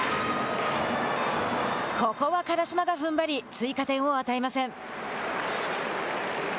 ここは辛島がふんばり追加点を与えません。